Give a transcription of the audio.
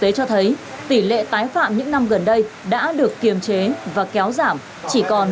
thực tế cho thấy tỷ lệ tái phạm những năm gần đây đã được kiềm chế và kéo giảm chỉ còn một năm